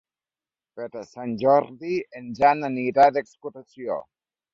Per Sant Jordi en Jan anirà d'excursió.